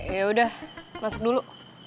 ya udah masuk dulu